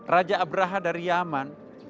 raja abraha dari yaman